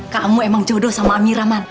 kamu emang jodoh sama amirah man